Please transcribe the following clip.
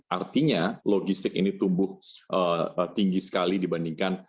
artinya logistik ini tumbuh tinggi sekali dibandingkan